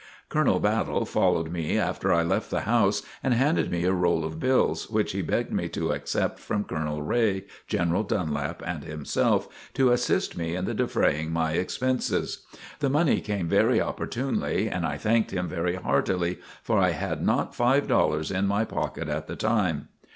Colonel Battle followed me after I left the house, and handed me a roll of bills, which he begged me to accept from Colonel Ray, General Dunlap and himself, to assist me in defraying my expenses. The money came very opportunely and I thanked him very heartily, for I had not five dollars in my pocket at the time.